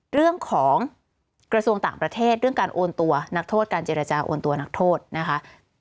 เรื่องของกระทรวงต่างประเทศเรื่องการโอนตัวนักโทษการเจรจาโอนตัวนักโทษนะคะ